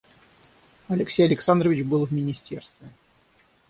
Алексей Александрович был в министерстве.